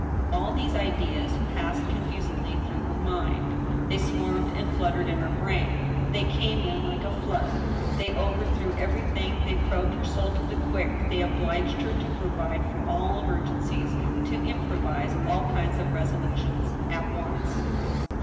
All these ideas passed confusedly through her mind. They swarmed and fluttered in her brain. They came in like a flood, they overthrew everything, they probed her soul to the quick, they obliged her to provide for all emergencies, to improvise all kinds of resolutions, at once.